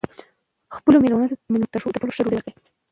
خپلو مېلمنو ته تر ټولو ښه ډوډۍ ورکړئ.